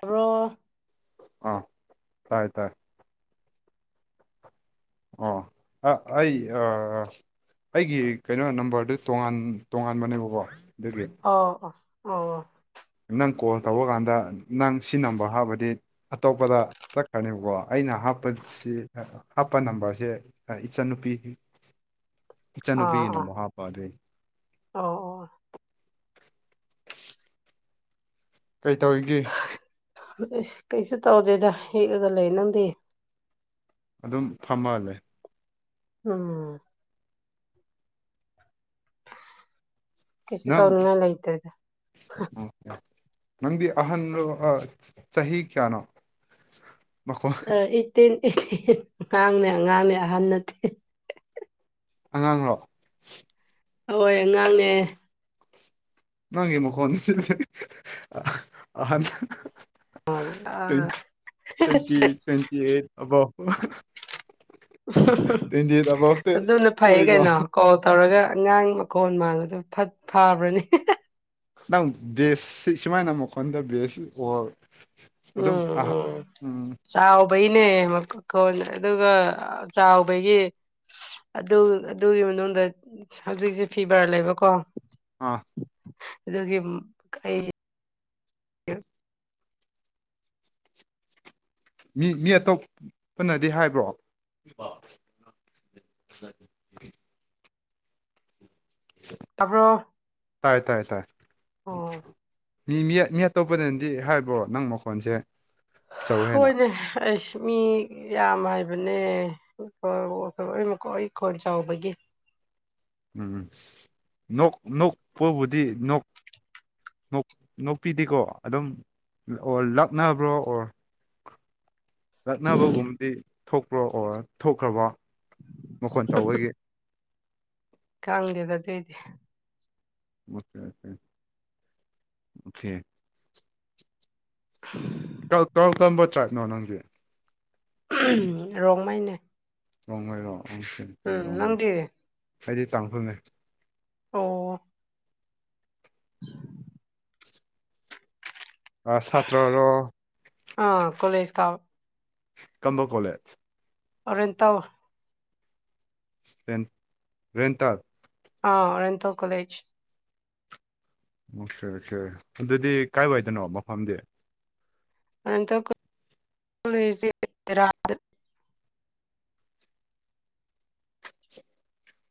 ꯇꯥꯕ꯭ꯔꯣ ꯑꯥ ꯇꯥꯏ ꯇꯥꯏ ꯑꯣ ꯑ ꯑꯩ ꯑ ꯑꯩꯒꯤ ꯀꯩꯅꯣ ꯅꯝꯕꯔꯗꯨ ꯇꯣꯉꯥꯟ ꯇꯣꯉꯥꯟꯕꯅꯦꯕꯀꯣ ꯑꯗꯨꯒꯤ ꯑꯣ ꯑꯣ ꯅꯪ ꯀꯣꯜ ꯇꯧꯕ ꯀꯥꯟꯗ ꯅꯪ ꯁꯤ ꯅꯝꯕꯔ ꯍꯥꯞꯔꯗꯤ ꯑꯇꯣꯞꯄꯗ ꯆꯠꯈ꯭ꯔꯅꯦꯕꯀꯣ ꯑꯩꯅ ꯍꯥꯞꯄꯁꯤ ꯍꯥꯞꯄ ꯅꯝꯕꯔꯁꯦ ꯏꯆꯟꯅꯨꯄꯤ ꯏꯆꯟꯅꯨꯄꯤꯒꯤ ꯅꯝꯕꯔ ꯍꯥꯞꯄ ꯑꯗꯨꯏ ꯑꯣ ꯀꯩꯇꯧꯔꯤꯒꯦ ꯑꯩꯁ ꯀꯩꯁꯨ ꯇꯧꯗꯦꯗ ꯌꯦꯛꯑꯒ ꯂꯩ ꯅꯪꯗꯤ ꯑꯗꯨꯝ ꯐꯝꯃꯒ ꯂꯩ ꯎꯝ ꯀꯁꯨ ꯇꯧꯅꯤꯉꯥꯏ ꯂꯩꯇ꯭ꯔꯦꯗ ꯑꯣ ꯅꯪꯗꯤ ꯑꯍꯟꯔꯣ ꯑ ꯆꯍꯤ ꯀ꯭ꯌꯥꯅꯣ ꯑ ꯑꯩꯠꯇꯤꯟ ꯑꯩꯠ [unintelligible] ꯉꯥꯡꯅꯦ ꯑꯉꯥꯡꯅꯦ ꯑꯍꯟ ꯅꯠꯇꯦ ꯑꯉꯥꯡꯔꯣ ꯍꯣꯏ ꯑꯉꯥꯡꯅꯦ ꯅꯪꯒꯤ ꯃꯈꯣꯟꯁꯤꯗꯤ ꯑ ꯑꯍꯟ ꯇ꯭ꯋꯦꯟ ꯑꯥ ꯇ꯭ꯋꯦꯟꯇꯤ ꯇ꯭ꯋꯦꯟꯇꯤ ꯑꯩꯠ ꯑꯕ꯭ꯚ ꯑꯕꯞꯇ ꯑꯗꯨꯅ ꯐꯩꯌꯦ ꯍꯣꯏꯀꯣ ꯀꯩꯅꯣ ꯀꯣ ꯇꯧꯔꯒ ꯑꯉꯥꯡ ꯃꯈꯣꯟ ꯃꯥꯟꯂꯗꯨ ꯐꯠ ꯐꯕ꯭ꯔꯅꯦ ꯅꯪ ꯕꯦꯁꯁꯤ ꯁꯨꯃꯥꯏꯅ ꯃꯈꯣꯟꯗ ꯕꯦꯁ ꯑꯣ [unintelligible] ꯆꯥꯎꯕꯩꯅꯦ ꯃꯈꯣꯟ ꯑꯗꯨꯒ ꯆꯥꯎꯕꯒꯤ ꯑꯗꯨ ꯑꯗꯨꯒꯤ ꯃꯅꯨꯡꯗ ꯍꯧꯖꯤꯛꯁꯦ ꯐꯤꯚꯔ ꯂꯩꯕꯀꯣ ꯑꯥ ꯑꯗꯨꯒꯤ ꯑꯩ ꯃꯤ ꯃꯤ ꯑꯇꯣꯞ ꯄꯅꯗꯤ ꯍꯥꯏꯕ꯭ꯔꯣ [unintelligible] ꯇꯥꯔꯕꯣ ꯇꯥꯌꯦ ꯇꯥꯌꯦ ꯇꯥꯏ ꯃꯤ ꯃꯤ ꯑꯇꯣꯞꯄꯅꯗꯤ ꯍꯥꯏꯕ꯭ꯔꯣ ꯅꯪ ꯃꯈꯣꯟꯁꯦ ꯆꯧꯋꯦ ꯍꯥꯏꯅ ꯍꯣꯏꯅꯦ ꯑꯩꯁ ꯃꯤ ꯌꯥꯝ ꯍꯥꯏꯕꯅꯦ [unintelligible] ꯑꯩ ꯃꯈꯣꯟ ꯑꯩ ꯈꯣꯟ ꯆꯥꯎꯕꯒꯤ ꯎꯝ ꯅꯣꯛ ꯅꯣꯛꯄꯕꯨꯗꯤ ꯅꯣꯛ ꯅꯣꯛ ꯅꯣꯛꯄꯤꯗꯤꯀꯣ ꯑꯗꯨꯝ ꯑꯣ ꯂꯛꯅꯕ꯭ꯔꯣ ꯑꯣꯔ ꯅꯛꯅꯕꯒꯨꯝꯕꯗꯤ ꯊꯣꯛꯄ꯭ꯔꯣ ꯑꯣꯔ ꯊꯣꯛꯈ꯭ꯔꯕꯣ ꯃꯈꯣꯟ ꯆꯥꯎꯕꯒꯤ ꯈꯪꯗꯦꯗ ꯑꯗꯨꯏꯗꯤ ꯑꯣꯀꯦ ꯑꯣꯀꯦ ꯑꯣꯈꯦ [inaudible] ꯀꯜ ꯀꯔꯝ ꯀꯔꯝꯕ ꯇ꯭ꯔꯥꯏꯕꯅꯣ ꯅꯪꯗꯤ ꯔꯣꯡꯃꯩꯅꯦ ꯔꯣꯡꯃꯩꯔꯣ ꯑꯪꯀꯦ ꯎꯝ ꯔꯣꯡ ꯅꯪꯗꯤ ꯑꯩꯗꯤ ꯇꯥꯡꯈꯨꯜꯅꯦ ꯑꯣ ꯑ ꯁꯥꯇ꯭ꯔꯔꯣ ꯑ ꯀꯣꯂꯦꯁ ꯀꯥꯕ ꯀꯝꯕꯣ ꯀꯣꯂꯦꯖ ꯑꯣꯔꯦꯟꯇꯜ ꯔꯦꯟ ꯔꯦꯟꯇꯜ ꯑꯥ ꯔꯦꯟꯇꯜ ꯀꯣꯂꯦꯖ ꯑꯣꯀꯦ ꯑꯣꯀꯦ ꯑꯗꯨꯗꯤ ꯀꯥꯏ ꯋꯥꯏꯗꯅꯣ ꯃꯐꯝꯗꯤ ꯔꯦꯟꯇꯦꯜ ꯀꯣꯂꯦꯖ ꯇꯦꯔꯗ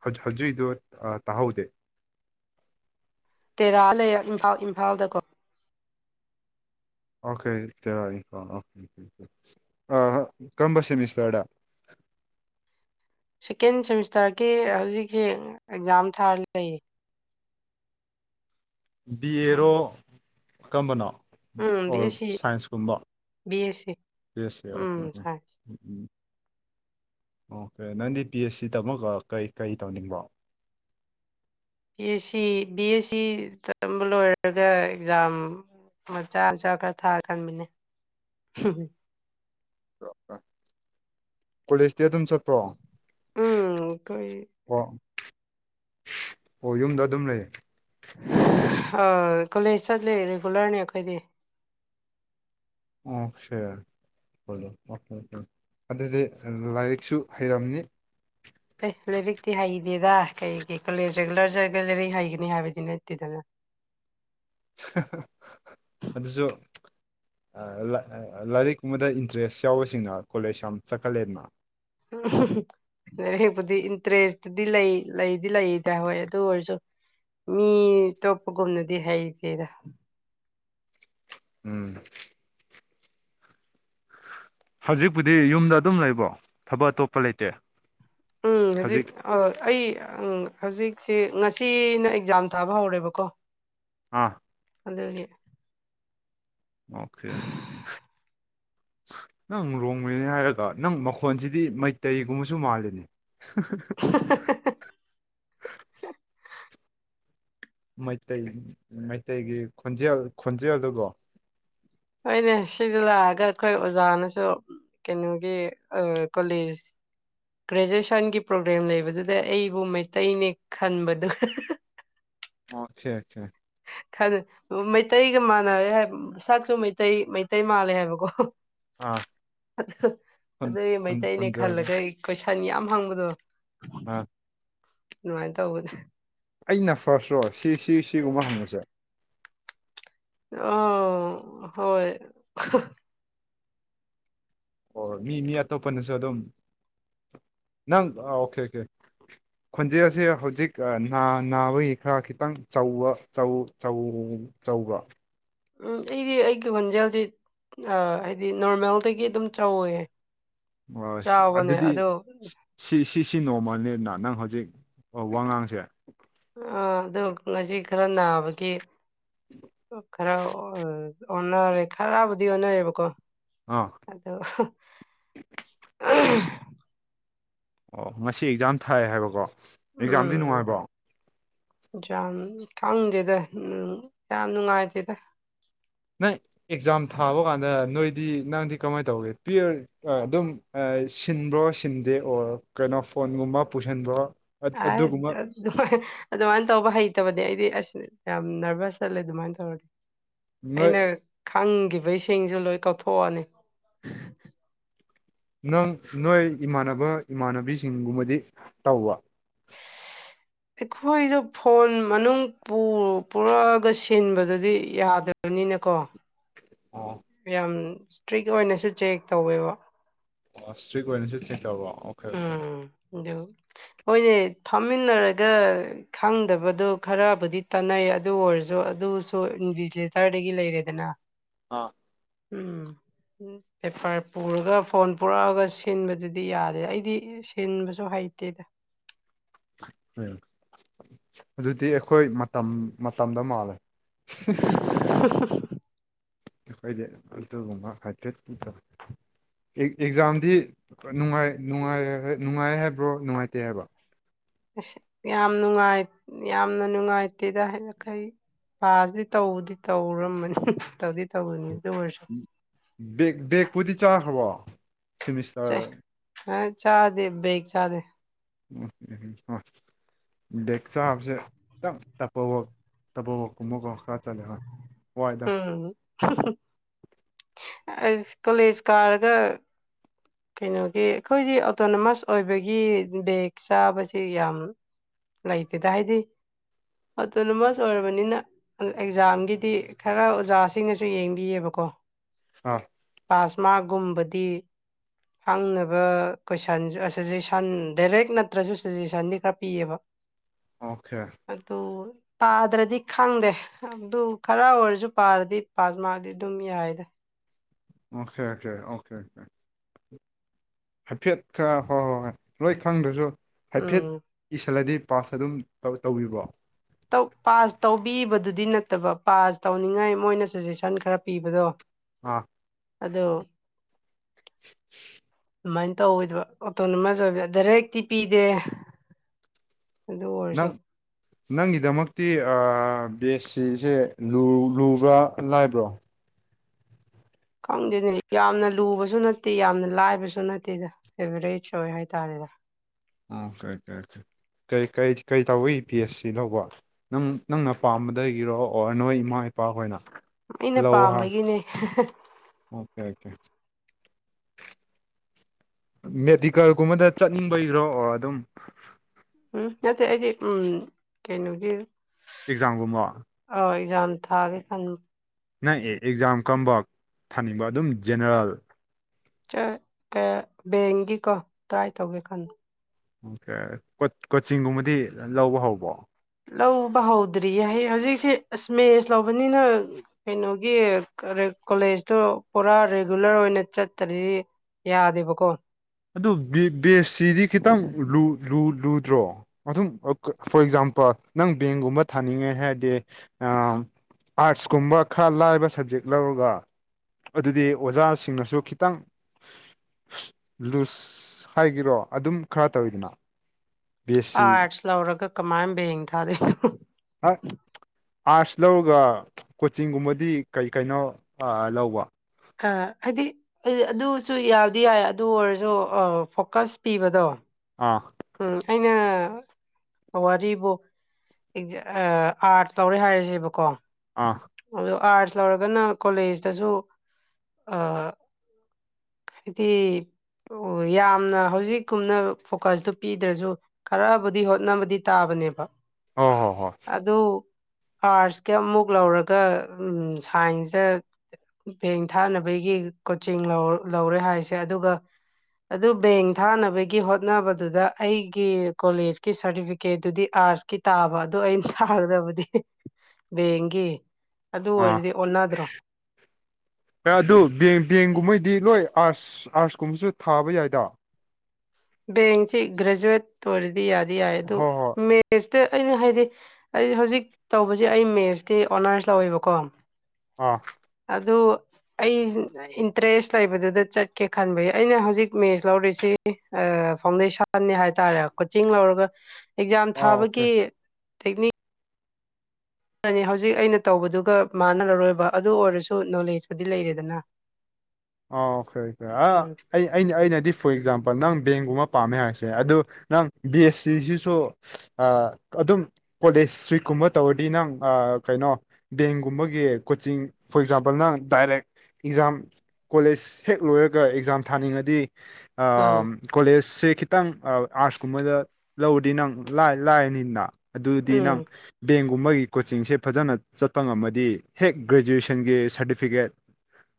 ꯍꯧ ꯍꯧꯖꯤꯛꯀꯤꯗꯣ ꯇꯍꯧꯗꯦ ꯇꯦꯔꯥ ꯂꯩ ꯏꯝꯐꯥꯜ ꯏꯝꯐꯥꯜꯗꯀꯣ ꯑꯣꯀꯦ ꯇꯦꯔꯅꯤꯀꯣ ꯀꯝꯕꯁ ꯁꯤꯃꯤꯁꯇꯔꯗ ꯁꯦꯀꯦꯟ ꯁꯦꯃꯤꯁꯇꯔꯒꯤ ꯍꯧꯖꯤꯛꯁꯦ ꯑꯦꯛꯖꯥꯝ ꯊꯥꯔ ꯂꯩꯌꯦ ꯕꯤ ꯑꯦꯔꯣ ꯀꯝꯕꯅꯣ ꯎꯝ ꯕꯤ ꯑꯣ ꯑꯦꯁ ꯁꯤ ꯁꯥꯏꯟꯁꯀꯨꯝꯕ B S C B S C okay um okay science um um okay ꯅꯪꯗꯤ ꯄꯤ ꯑꯦꯁ ꯁꯤ ꯇꯝꯃꯒ ꯀꯩ-ꯀꯩ ꯇꯧꯅꯤꯡꯕꯣ B S C B S C ꯇꯝꯕ ꯂꯣꯏꯔꯒ ꯑꯦꯛꯖꯥꯝ ꯃꯆꯥ ꯃꯆꯥ ꯈꯔ ꯊꯥꯔ ꯈꯟꯕꯅꯦ ꯀꯣꯂꯦꯖꯇꯤ ꯗꯨꯝ ꯆꯠꯄꯔꯣ ꯎꯝ ꯑꯩꯈꯣꯏ ꯑꯣ ꯑꯣ ꯌꯨꯝꯗ ꯑꯗꯨꯝ ꯂꯩ ꯀꯣꯂꯦꯖ ꯆꯠꯂꯤ ꯔꯤꯒꯨꯂꯔꯅꯤ ꯑꯩꯈꯣꯏꯗꯤ ꯑꯗꯨꯗꯤ ꯂꯥꯏꯔꯤꯛꯁꯨ ꯍꯩꯔꯝꯅꯤ ꯑꯦ ꯂꯥꯏꯔꯤꯛꯇꯤ ꯍꯩꯗꯦꯗ ꯀꯩꯒꯤ ꯀꯣꯂꯦꯖ ꯔꯦꯒꯨꯂꯔ ꯆꯠꯂꯒ ꯂꯥꯏꯔꯤꯛ ꯍꯩꯒꯅꯤ ꯍꯥꯏꯕꯗꯤ ꯅꯠꯇꯦꯗꯅ ꯑꯗꯨꯁꯨ ꯂꯥꯏꯔꯤꯛꯀꯨꯝꯕꯗ ꯏꯟꯇꯔꯦꯁ ꯌꯥꯎꯕꯁꯤꯡꯅ ꯀꯣꯂꯦꯖ ꯌꯥꯝ ꯆꯠꯀꯜꯂꯦꯗꯅ ꯎ ꯂꯔꯤꯛꯄꯨꯗꯤ ꯏꯟꯇꯔꯦꯁꯇꯨꯗꯤ ꯂꯩ ꯂꯩꯗꯤ ꯂꯩꯗ ꯍꯣꯏ ꯑꯗꯨ ꯑꯣꯏꯔꯁꯨ ꯃꯤ ꯇꯣꯛꯄꯒꯨꯝꯅꯗꯤ ꯍꯩꯇꯦꯔꯥ ꯎꯝ ꯍꯧꯖꯤꯛꯄꯨꯗꯤ ꯌꯨꯝꯗ ꯑꯗꯨꯝ ꯂꯩꯕꯔꯣ ꯊꯕꯛ ꯑꯇꯣꯞꯄ ꯂꯩꯇꯦ ꯎꯝ ꯍꯧꯖꯤꯛ ꯑꯩ ꯍꯧꯖꯤꯛꯁꯦ ꯉꯁꯤꯅ ꯑꯦꯛꯖꯥꯝ ꯊꯥꯕ ꯍꯧꯔꯦꯕꯀꯣ ꯑꯥ ꯑꯗꯨꯒꯤ ꯑꯣꯀꯦ ꯅꯪ ꯔꯣꯡꯃꯩꯅꯦ ꯍꯥꯏꯔꯒ ꯅꯪ ꯃꯈꯣꯟꯁꯤꯗꯤ ꯃꯩꯇꯩꯒꯨꯝꯕꯁꯨ ꯃꯥꯜꯂꯤꯅꯦ ꯃꯩꯇꯩ ꯃꯩꯇꯩꯒꯤ ꯈꯣꯟꯖꯦꯜ- ꯈꯣꯟꯖꯦꯜꯗꯒꯣ ꯍꯣꯏꯅꯦ ꯁꯤꯗ ꯂꯥꯛꯑꯒ ꯑꯩꯈꯣꯏ ꯑꯣꯖꯥꯅꯁꯨ ꯀꯩꯅꯣꯒꯤ ꯑ ꯀꯣꯂꯦꯖ ꯒ꯭ꯔꯦꯖꯨꯑꯌꯦꯁꯟꯒꯤ ꯄ꯭ꯔꯣꯒ꯭ꯔꯥꯦꯝ ꯂꯩꯕꯗꯨꯗ ꯑꯩꯕꯨ ꯃꯩꯇꯩꯅꯦ ꯈꯟꯕꯗꯣ ꯑꯣꯀꯦ ꯈꯂ ꯃꯩꯇꯩꯒ ꯃꯥꯟꯅꯔꯦ ꯍꯥꯏ ꯁꯛꯁꯨ ꯃꯩꯇꯩ ꯃꯩꯇꯩ ꯃꯥꯜꯂꯦ ꯍꯥꯏꯕꯀꯣ ꯑꯥ ꯑꯗꯨꯒꯤ ꯃꯩꯇꯩꯅꯦ ꯈꯣꯟꯖꯦꯜꯗꯣ ꯈꯜꯂꯒꯦ ꯑꯩ ꯀꯣꯏꯁꯟ ꯌꯥꯝ ꯍꯪꯕꯗꯣ ꯑꯥ ꯅꯨꯡꯉꯥꯏ ꯇꯧꯕꯅꯦ ꯑꯩꯅ ꯐꯥꯔꯁ ꯔꯣ ꯁꯤ ꯁꯤ ꯁꯤꯒꯨꯝꯕ ꯍꯪꯕꯁꯦ ꯑꯥ ꯍꯣꯏ ꯑꯣ ꯃꯤ ꯃꯤ ꯑꯇꯣꯞꯄꯅꯁꯨ ꯑꯗꯨꯝ ꯅꯪ ꯑꯣꯀꯦ ꯑꯣꯀꯦ ꯈꯣꯟꯖꯦꯁꯦ ꯍꯧꯖꯤꯛ ꯅꯥ ꯅꯥꯕꯒꯤ ꯈꯔ ꯈꯤꯇꯪ ꯆꯧꯕ ꯑꯧꯕ ꯎꯝ ꯑꯩꯗꯤ ꯑꯩꯒꯤ ꯋꫭꯟꯖꯦꯜꯁꯤ ꯍꯥꯏꯗꯤ ꯅꯣꯔꯃꯦꯜꯗꯒꯤ ꯑꯗꯨꯝ ꯆꯧꯏ ꯑꯣ ꯁꯤ ꯆꯥꯎꯕꯅꯦ ꯑꯗꯨꯗꯤ ꯑꯗꯣ ꯁꯤ ꯁꯤꯁꯤ ꯅꯣꯡꯃꯜꯅꯤꯗꯅ ꯅꯪ ꯍꯧꯖꯤꯛ ꯋꯥꯉꯥꯡꯁꯦ ꯑꯥ ꯑꯗꯨꯣ ꯉꯁꯤ ꯈꯔ ꯅꯥꯕꯒꯤ ꯈꯔ ꯑꯣꯟꯅꯔꯦ ꯈꯔꯕꯨꯗꯤ ꯑꯣꯟꯅꯔꯦꯕꯀꯣ ꯑꯥ ꯑꯗꯣ ꯑꯣ ꯉꯁꯤ ꯑꯦꯛꯖꯥꯝ ꯊꯥꯏ ꯍꯥꯏꯕꯀꯣ ꯑꯦꯛꯖꯥꯝꯗꯤ ꯎꯝ ꯅꯨꯡꯉꯥꯏꯕ꯭ꯔꯣ ꯌꯥꯝ ꯈꯪꯗꯦꯗ ꯌꯥꯝ ꯅꯨꯡꯉꯥꯏꯇꯦꯗ ꯅꯪ ꯑꯦꯛꯖꯥꯝ ꯊꯥꯕ ꯀꯥꯟꯗ ꯅꯣꯏꯗꯤ ꯅꯪꯗꯤ ꯀꯃꯥꯏꯅ ꯇꯧꯒꯦ ꯄꯤꯌꯥꯔ ꯑꯗꯨꯝ ꯁꯤꯟꯕ꯭ꯔꯣ ꯁꯤꯟꯗꯦ ꯑꯣꯔ ꯀꯩꯅꯣ ꯐꯣꯟꯒꯨꯝꯕ ꯄꯨꯁꯤꯟꯕ꯭ꯔꯣ [unintelligible] ꯑꯗꯨꯒꯨꯝꯕ ꯑꯗꯨꯃ ꯑꯗꯨꯃꯥꯏꯅ ꯇꯧꯕ ꯍꯩꯇꯕꯅꯦ ꯑꯩꯗꯤ ꯑꯁ ꯌꯥꯝ ꯅꯔꯚꯁ ꯆꯠꯂꯦ ꯑꯗꯨꯃꯥꯏꯅ ꯇꯧꯔꯗꯤ ꯅꯣꯏ ꯑꯩꯅ ꯈꯪꯈꯤꯕꯁꯤꯡꯁꯨ ꯂꯣꯏ ꯀꯧꯊꯣꯛꯑꯅꯤ ꯅꯪ ꯅꯣꯏ ꯏꯃꯥꯟꯅꯕ ꯏꯃꯥꯟꯅꯕꯤꯁꯤꯡꯒꯨꯝꯕꯗꯤ ꯇꯧꯕ ꯑꯩꯈꯣꯏꯗꯣ ꯐꯣꯟ ꯃꯅꯨꯡ ꯄꯨꯔꯛꯑꯒ ꯁꯤꯟꯕꯗꯗꯤ ꯌꯥꯗꯕꯅꯤꯅꯀꯣ [unintelligible] ꯌꯥꯝ ꯏꯁꯇ꯭ꯔꯤꯛ ꯑꯣꯏꯅꯁꯨ ꯆꯦꯛ ꯇꯧꯋꯦꯕ ꯑꯣ ꯏꯁꯇ꯭ꯔꯤꯛ ꯑꯣꯏꯅꯁꯨ ꯆꯦꯛ ꯇꯧꯔꯕ ꯑꯣ ꯎꯝ ꯑꯗꯨ ꯃꯣꯏꯅꯦ ꯐꯝꯃꯤꯟꯅꯔꯒ ꯈꯪꯗꯕꯗꯣ ꯈꯔꯕꯨꯗꯤ ꯇꯥꯟꯅꯩ ꯑꯗꯨ ꯑꯣꯏꯔꯁꯨ ꯑꯗꯨꯁꯨ ꯏꯟꯕꯤꯁ ꯁꯔꯗꯒꯤ ꯂꯩꯔꯦꯗꯅ ꯑꯥ ꯎꯝ ꯄꯦꯄꯔ ꯄꯨꯔꯒ ꯐꯣꯟ ꯄꯨꯔꯛꯑꯒ ꯁꯤꯟꯕꯗꯨꯗꯤ ꯌꯥꯗꯦ ꯑꯗꯩ ꯁꯤꯟꯕꯁꯨ ꯍꯩꯇꯦꯗ ꯎꯝ ꯑꯗꯨꯗꯤ ꯑꯩꯈꯣꯏ ꯃꯇꯝ ꯃꯇꯝꯗ ꯃꯥꯜꯂꯦ [unintelligible] [unintelligible] ꯑꯩꯗꯤ ꯑꯗꯨꯒꯨꯝꯕ ꯍꯩꯇꯦ ꯑꯦꯛꯖꯥꯝꯗꯤ ꯅꯨꯡꯉꯥꯏ ꯅꯨꯡꯉꯥꯏ ꯅꯨꯡꯉꯥꯏ ꯍꯥꯏꯕ꯭ꯔꯣ ꯅꯨꯡꯉꯥꯏꯇꯦ ꯍꯥꯏꯕ ꯑꯁ ꯌꯥꯝ ꯅꯨꯡꯉꯥꯏ ꯌꯥꯝꯅ ꯅꯨꯡꯉꯥꯏꯇꯦꯗ ꯍꯥꯏꯈꯩ ꯄꯁꯤꯗꯤ ꯇꯧꯕꯗꯤ ꯇꯧꯔꯝꯃꯅꯤ ꯇꯧꯗꯤ ꯇꯧꯕꯅꯤ ꯑꯗꯨ ꯑꯣꯏꯔꯁꯨ ꯕꯦꯛꯄꯨꯗꯤ ꯆꯥꯈ꯭ꯔꯕꯣ ꯁꯤꯃꯤꯁꯇꯔ ꯑꯥ ꯆꯥꯗꯦ ꯕꯦꯛ ꯆꯥꯗꯦ [unintelligible] ꯗꯆꯣ ꯍꯥꯁꯦ ꯇꯄꯣ ꯇꯄꯣꯀꯨꯝꯃ ꯀꫭ ꯈꯔꯥ ꯆꯂꯦꯒ ꯎꯝ ꯑꯁ ꯀꯣꯂꯦꯖ ꯀꯥꯔꯒ ꯀꯩꯅꯣꯒꯤ ꯑꯩꯈꯣꯏꯗꯤ ꯑꯣꯇꯣꯅꯣꯃꯁ ꯑꯣꯏꯕꯒꯤ ꯕꯒ ꯆꯥꯕꯁꯤ ꯌꯥꯝ ꯂꯩꯇꯦꯗ ꯍꯥꯏꯗꯤ ꯑꯣꯇꯣꯅꯣꯃꯁ ꯑꯣꯏꯔꯕꯥꯅꯤꯅ ꯑꯗꯣ ꯑꯦꯛꯖꯥꯝꯒꯤꯗꯤ ꯈꯔ ꯑꯣꯖꯥꯁꯤꯡꯅꯁꯨ ꯌꯦꯡꯕꯤꯌꯦꯕꯥꯀꯣ [unintelligible] ꯄꯥꯁꯃꯥꯛ ꯒꯨꯝꯕꯗꯤ ꯍꯪꯅꯕ ꯀꯣꯏꯁꯟ ꯑꯁꯤꯖꯦꯁꯟ ꯗꯥꯔꯦꯛ ꯅꯠꯇ꯭ꯔꯁꯨ ꯁꯖꯦꯁꯟꯗꯤ ꯈꯔ ꯄꯤꯌꯦꯕꯥ ꯑꯣꯈꯦ ꯑꯗꯣ ꯄꯥꯗ꯭ꯔꯗꯤ ꯈꯪꯗꯦ ꯑꯗꯨ ꯈꯔ ꯑꯣꯏꯔꯁꯨ ꯄꯥꯔꯗꯤ ꯄꯥꯁ ꯃꯥꯛꯗꯤ ꯑꯗꯨꯝ ꯌꯥꯏꯔꯦ ꯑꯣꯈꯦ ꯑꯣꯈꯦ ꯑꯣꯈꯦ ꯑꯣꯈꯦ ꯍꯥꯏꯐꯦꯠ ꯈ ꯍꯣꯏ ꯍꯣꯏ ꯍꯣꯏ ꯂꯣꯏ ꯈꯪꯗ꯭ꯔꯖꯨ ꯍꯥꯏꯐꯦꯠ ꯎꯝ ꯏꯁꯤꯜꯂꯗꯤ ꯄꯥꯁ ꯑꯗꯨꯝ ꯇꯧ ꯇꯧꯋꯤꯀꯣ ꯇꯧ ꯄꯥꯁ ꯇꯧꯕꯤꯕꯗꯨꯗꯤ ꯅꯠꯇꯥꯕ ꯄꯥꯁ ꯇꯧꯅꯤꯡꯉꯥꯏ ꯃꯣꯏꯅ ꯁꯥꯖꯦꯁꯟ ꯈꯔ ꯄꯤꯕꯗꯣ ꯑꯥ ꯑꯗꯣ [inaudible] ꯑꯗꯨꯃꯥꯏꯅ ꯇꯧꯑꯣꯢꯗꯕ ꯑꯣꯇꯣꯅꯣꯃꯁ ꯑꯣꯏꯕ ꯗꯥꯏꯔꯦꯛꯇꯤ ꯄꯤꯗꯦ ꯑꯗꯨ ꯑꯣꯏꯔꯥꯁꯨ ꯅꯪ ꯅꯪꯒꯤꯗꯃꯛꯇꯤ ꯑꯥ ꯕꯦꯁ ꯁꯤꯁꯦ ꯂꯨ ꯂꯨꯕ꯭ꯔꯥ ꯂꯥꯏꯕ꯭ꯔꯣ ꯈꯪꯗꯦꯅꯦ ꯌꯥꯝꯅ ꯂꯨꯕꯁꯨ ꯅꯠꯇꯦ ꯌꯥꯝꯅ ꯂꯥꯏꯕꯁꯨ ꯅꯠꯇꯦꯗꯥ ꯑꯦꯚꯔꯦꯖ ꯑꯣꯏ ꯍꯥꯏ ꯇꯥꯔꯦꯗꯥ ꯑꯥ ꯀꯩ ꯀꯩ ꯀꯩ ꯀꯩ ꯀꯩ ꯀꯩ ꯇꯧꯏ ꯕꯤ ꯑꯦꯁ ꯁꯤ ꯂꯧꯕꯥ ꯅꯪ ꯅꯪꯅ ꯄꯥꯝꯕꯗꯒꯤꯔꯣ ꯑꯣꯔ ꯅꯣꯏ ꯏꯃꯥ ꯏꯄꯥ ꯍꯣꯏꯅ ꯑꯩꯅ ꯄꯥꯝꯕꯒꯤꯅꯦ ꯑꯣꯀꯦ ꯀꯦ ꯃꯦꯗꯤꯀꯜꯒꯨꯝꯕꯗ ꯆꯠꯅꯤꯡꯕꯒꯤꯔꯣ ꯑꯗꯨꯝ ꯍꯨꯝ ꯅꯠꯇꯦ ꯑꯩꯗꯤ ꯎꯝ ꯀꯩꯅꯣꯒꯤ ꯑꯦꯛꯖꯥꯝꯒꯨꯝꯃꯥ ꯑꯎ ꯑꯦꯖꯥꯝ ꯊꯥꯒꯦ ꯈꯟ ꯅꯪ ꯑꯦ ꯑꯦꯛꯖꯥꯝ ꯀꯝꯕ ꯊꯥꯅꯤꯡꯕꯥ ꯑꯗꯨꯝ ꯖꯦꯅꯦꯔꯦꯜ [inaudible] ꯕꯦꯡꯒꯤꯀꯣ ꯇ꯭ꯔꯥꯏ ꯇꯧꯒꯦ ꯈꯟꯕ ꯑꯣꯀꯦ ꯀꯣ ꯀꯣꯆꯤꯡꯒꯨꯝꯕꯗꯤ ꯂꯧꯕ ꯍꯧꯕ꯭ꯔꯣ ꯂꯧꯕ ꯍꯧꯗ꯭ꯔꯤꯌꯦ ꯍꯩ ꯍꯧꯖꯤꯛꯁꯦ ꯑꯁ ꯃꯦꯁ ꯂꯧꯕꯅꯤꯅꯥ ꯀꯩꯅꯣꯒꯤ ꯀꯣꯂꯦꯖꯇꯨ ꯄꯨꯔꯥ ꯔꯤꯒꯨꯂꯔ ꯑꯣꯏꯅ ꯆꯠꯇꯔꯤ ꯌꯥꯗꯦꯕꯥꯀꯣ ꯑꯗꯨ ꯕꯦꯁꯁꯤꯗꯤ ꯈꯤꯇꯪ ꯂꯨ ꯂꯨ ꯂꯨꯗ꯭ꯔꯣ ꯑꯗꯨꯝ ꯐꯣꯔ ꯑꯦꯛꯖꯥꯝꯄꯜ ꯅꯪ ꯕꯦꯡꯒꯨꯝꯕ ꯊꯥꯅꯤꯡꯉꯦ ꯍꯥꯏꯔꯗꯤ ꯑꯥ ꯑꯥꯔꯠꯁ ꯀꯨꯝꯕ ꯈꯔ ꯂꯥꯏꯕ ꯁ꯭ꯕꯖꯦꯛ ꯂꯧꯔꯒꯥ ꯑꯗꯨꯗꯤ ꯑꯣꯖꯥꯁꯤꯡꯅꯥꯁꯨ ꯈꯤꯇꯪ ꯂꯨꯁ ꯍꯥꯏꯒꯦꯔꯣ ꯑꯗꯨꯝ ꯈꯔ ꯇꯧꯋꯤꯗꯅꯥ ꯑꯥꯔꯠꯁ ꯂꯧꯔꯒꯥ ꯀꯃꯥꯏꯅ ꯕꯦꯡ ꯊꯥꯗꯣꯏꯅꯣ [unintelligible] ꯑꯥꯔꯠꯁ ꯂꯧꯔꯒ ꯀꯣꯆꯤꯡꯒꯨꯝꯕꯗꯤ ꯀꯩ ꯀꯩꯅꯣ ꯂꯧꯕꯥ ꯑ ꯍꯥꯏꯗꯤ ꯑꯗꯨꯁꯨ ꯌꯥꯕꯨꯗꯤ ꯌꯥꯏ ꯑꯗꯨ ꯑꯣꯏꯔꯁꯨ ꯐꯣꯀꯁ ꯄꯤꯕꯗꯣ ꯑꯥ ꯎꯝ ꯑꯩꯅ ꯋꯥꯔꯤꯕꯨ [unintelligible] ꯑꯥꯔꯠꯁ ꯂꯧꯔꯦ ꯍꯥꯏꯔꯖꯦꯕꯥꯀꯣ ꯑꯥ ꯑꯗꯣ ꯑꯥꯔꯠꯁ ꯂꯧꯔꯒꯅ ꯀꯣꯂꯦꯖꯇꯁꯨ ꯑ ꯍꯥꯏꯗꯤ ꯌꯥꯝꯅ ꯍꯧꯖꯤꯛꯀꯨꯝꯅ ꯐꯣꯀꯁꯇꯨ ꯄꯤꯗ꯭ꯔꯁꯨ ꯈꯔꯕꯨꯗꯤ ꯍꯣꯠꯅꯕꯗꯤ ꯇꯥꯕꯅꯦꯕ ꯑꯣ ꯍꯣ ꯍꯣ ꯑꯗꯨ ꯑꯥꯔꯁꯀꯤ ꯑꯃꯨꯛ ꯂꯧꯔꯒ ꯁꯥꯏꯟꯁꯇ ꯕꯦꯡ ꯊꯥꯅꯕꯒꯤ ꯀꯣꯆꯤꯡ ꯂꯧ ꯂꯧꯔꯦ ꯍꯥꯏꯔꯤꯁꯦ ꯑꯗꯨꯒ ꯑꯗꯨ ꯕꯦꯡ ꯊꯥꯅꯕꯒꯤ ꯍꯣꯠꯅꯕꯗꯨꯗ ꯑꯩꯒꯤ ꯀꯣꯂꯦꯖꯀꯤ ꯁꯥꯔꯇꯤꯐꯤꯀꯦꯠꯇꯨꯗꯤ ꯑꯥꯔꯠꯁ ꯀꯤ ꯇꯥꯕ ꯑꯗꯣ ꯑꯩꯅ ꯊꯥꯒꯗꯕꯗꯤ ꯕꯦꯡꯒꯤ ꯑꯗꯨ ꯑꯥ ꯑꯣꯏꯔꯗꯤ ꯑꯣꯟꯅꯗ꯭ꯔꯣ ꯑꯗꯨ ꯕꯦꯡ ꯕꯦꯡꯒꯨꯝꯕꯩꯗꯤ ꯂꯣꯏ ꯑꯥꯔꯠꯁ ꯑꯥꯔꯠꯁꯀꯨꯝꯕꯁꯨ ꯊꯥꯕ ꯌꯥꯏꯗ ꯕꯦꯡꯁꯤ ꯒ꯭ꯔꯦꯖꯨꯋꯦꯠ ꯇꯧꯔꯗꯤ ꯌꯥꯗꯤ ꯌꯥꯏ ꯑꯗꯨ ꯍꯣꯏ ꯍꯣꯏ ꯃꯦꯠꯁꯇ ꯑꯩꯅ ꯍꯥꯏꯗꯤ ꯑꯩ ꯍꯧꯖꯤꯛ ꯇꯧꯕꯁꯦ ꯑꯩ ꯃꯦꯠꯁꯇꯤ ꯑꯣꯅꯔꯁ ꯂꯧꯋꯦꯕꯀꯣ ꯑꯥ ꯑꯗꯨ ꯑꯩ ꯏꯟꯇꯔꯦꯁ ꯂꯩꯕꯗꯨꯗ ꯆꯠꯀꯦ ꯈꯟꯕꯒꯤ ꯑꯩꯅ ꯍꯧꯖꯤꯛ ꯃꯦꯆ ꯂꯧꯔꯤꯁꯤ ꯑ ꯐꯥꯎꯟꯗꯦꯁꯟꯅꯤ ꯍꯥꯏꯇꯥꯔꯦ ꯀꯣꯆꯤꯡ ꯂꯧꯔꯒ ꯑꯦꯛꯖꯥꯝ ꯑꯥ ꯑꯣꯀꯦ ꯊꯥꯕꯒꯤ ꯇꯦꯛꯅꯤꯛ ꯇꯅꯦ ꯍꯧꯖꯤꯛ ꯑꯩꯅ ꯇꯧꯕꯗꯨꯒ ꯃꯥꯟꯅꯔꯔꯣꯏꯕ ꯑꯗꯨ ꯑꯣꯏꯔꯁꯨ ꯅꯣꯂꯦꯖꯄꯨꯗꯤ ꯂꯩꯔꯦꯗꯅ ꯑꯣ ꯈ꯭ꯔꯦ ꯈꯔ ꯑ ꯎꯝ ꯑꯩ ꯑꯩꯅ ꯑꯩꯅꯗꯤ ꯐꯣꯔ ꯑꯦꯛꯖꯥꯝꯄꯜ ꯅꯪ ꯕꯦꯡꯒꯨꯝꯕ ꯄꯥꯝꯃꯦ ꯍꯥꯏꯕꯁꯦ ꯑꯗꯨ ꯅꯪ ꯕꯤ ꯑꯦꯁ ꯁꯤꯁꯤꯁꯨ ꯑ ꯑꯗꯨꯝ ꯀꯣꯂꯦꯖ ꯋꯤꯛꯀꯨꯝꯕ ꯇꯧꯔꯗꯤ ꯅꯪ ꯑ ꯀꯩꯅꯣ ꯕꯦꯡꯒꯨꯝꯕꯒꯤ ꯀꯣꯆꯤꯡ ꯐꯣꯔ ꯑꯦꯛꯖꯥꯝꯄꯜ ꯅꯪ ꯗꯥꯏꯔꯦꯛ ꯑꯦꯛꯖꯥꯝ ꯀꯣꯂꯦꯖ ꯍꯦꯛ ꯂꯣꯏꯔꯒ ꯑꯦꯛꯖꯥꯝ ꯊꯥꯅꯤꯡꯉꯗꯤ ꯑꯥ ꯀꯣꯂꯦꯖꯁꯦ ꯈꯤꯇꯪ ꯑ ꯑꯥꯔꯠꯁ ꯀꯨꯝꯕꯗ ꯂꯧꯔꯗꯤ ꯅꯪ ꯂꯥꯏ ꯂꯥꯏꯔꯅꯤꯅ ꯑꯗꯨꯗꯤ ꯎꯝ ꯅꯪ ꯕꯦꯡꯒꯨꯝꯕꯒꯤ ꯀꯣꯆꯤꯡꯁꯦ ꯐꯖꯅ ꯆꯠꯄ ꯉꯝꯃꯗꯤ ꯍꯦꯛ ꯒ꯭ꯔꯦꯖꯨꯋꯦꯁꯟꯒꯤ ꯁꯥꯔꯇꯤꯐꯤꯀꯦꯠ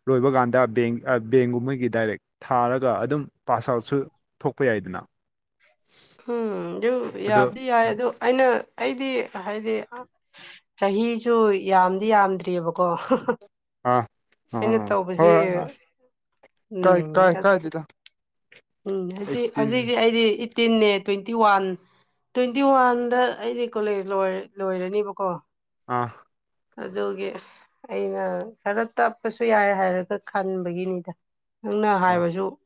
ꯂꯣꯏꯕꯒꯥꯟꯗ ꯕꯦꯡ ꯑ ꯕꯦꯡꯒꯨꯝꯕꯒꯤ ꯗꯥꯏꯔꯦꯛ ꯊꯥꯔꯒ ꯑꯗꯨꯝ ꯄꯥꯁ ꯑꯥꯎꯠꯁꯨ ꯊꯣꯛꯄ ꯌꯥꯏꯗꯅ ꯎꯝ ꯑꯗꯨ ꯑꯗꯣ ꯌꯥꯕꯗꯤ ꯌꯥꯏ ꯑꯗꯨꯗ ꯑꯩꯅ ꯑꯩꯗꯤ ꯍꯥꯏꯗꯤ ꯆꯍꯤꯁꯨ ꯌꯥꯝꯗꯤ ꯌꯥꯝꯗ꯭ꯔꯤꯑꯕꯀꯣ ꯑꯥ ꯑꯩꯅ ꯑꯥ ꯍꯣꯏ ꯇꯧꯕꯁꯤ ꯀꯥꯏ ꯎꯝ ꯀꯥꯏ ꯀꯥꯏꯗꯦꯗ ꯎꯝ ꯍꯥꯏꯗꯤ ꯑꯩꯠꯇꯤꯟ ꯍꯧꯖꯤꯛꯁꯤ ꯑꯩꯗꯤ ꯇꯤꯟꯅꯦ ꯇ꯭ꯋꯦꯟꯇꯤ ꯋꯥꯟ ꯇ꯭ꯋꯦꯟꯇꯤ ꯋꯥꯟꯗ ꯑꯩꯗꯤ ꯀꯣꯂꯦꯖ ꯂꯣꯏꯔꯦ ꯂꯣꯏꯔꯅꯤꯕꯀꯣ ꯑꯥ ꯑꯗꯨꯒꯤ ꯑꯩꯅ ꯈꯔ ꯇꯞꯄꯁꯨ ꯌꯥꯏ ꯍꯥꯏꯔꯒ ꯈꯟꯕꯒꯤꯅꯤꯗ ꯅꯪꯅ ꯑꯣ ꯍꯥꯏꯕꯁꯨ